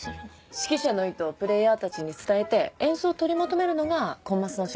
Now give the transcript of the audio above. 指揮者の意図をプレーヤーたちに伝えて演奏を取りまとめるのがコンマスの仕事。